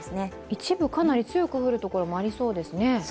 一部かなり強く降る所もありそうですね？